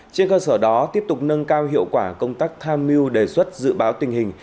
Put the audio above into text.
trên cơ sở đó tiếp tục nâng cao hiệu quả công tác tham mưu đề xuất dự báo tình hình